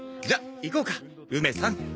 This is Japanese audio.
じゃあ行こうか梅さん。